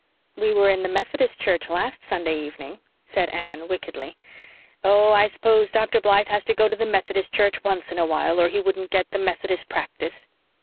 "We were in the Methodist church last Sunday evening," said Anne wickedly. "Oh, I s'pose Dr. Blythe has to go to the Methodist church once in a while or he wouldn't get the Methodist practice."